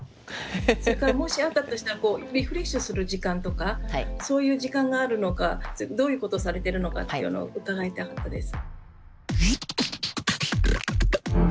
それからもしあったとしたらリフレッシュする時間とかそういう時間があるのかどういうことをされてるのかっていうのを伺いたかったです。